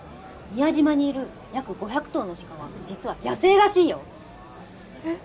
宮島にいる約５００頭の鹿は実は野生らしいよえっ？